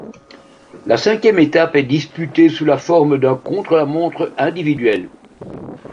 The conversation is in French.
La cinquième étape est disputée sous la forme d'un contre-la-montre individuel.